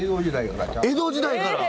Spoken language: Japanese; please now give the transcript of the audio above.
江戸時代から！